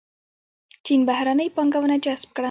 چین بهرنۍ پانګونه جذب کړه.